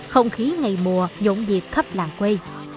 không khí ngày mùa dỗn dịp khắp làng quê